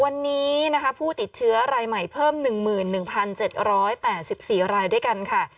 วันนี้นะคะผู้ติดเชื้อรายใหม่เพิ่ม๑๑๗๘๔รายด้วยกันค่ะ